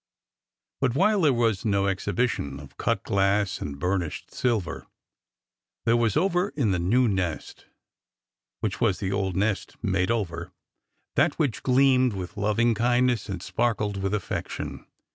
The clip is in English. But while there was no exhibition of cut glass and burnished silver, there was over in the new nest— which was the old nest made over— that which gleamed with loving kindness and sparkled with affec tion.